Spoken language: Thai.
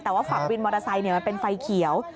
แต่ว่าฝั่งวินมอเตอร์ไซค์มันเป็นไฟเขียว